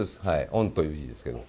御という字ですけど。